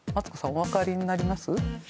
お分かりになります？